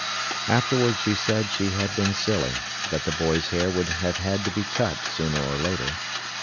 Afterwards she said she had been silly, that the boy's hair would have had to be cut, sooner or later.